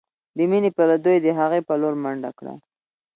د مينې په ليدو يې د هغې په لورې منډه کړه.